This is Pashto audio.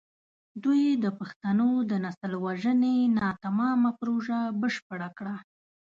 دوی د پښتنو د نسل وژنې ناتمامه پروژه بشپړه کړه.